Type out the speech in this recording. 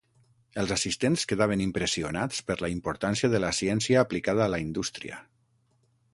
Els assistents quedaven impressionats per la importància de la ciència aplicada a la indústria.